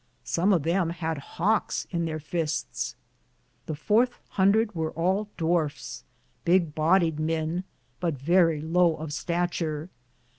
Som of them had haukes in theire fistes. The fourthe hundrethe weare all dwarffs, bige bodied men, but verrie low of stature.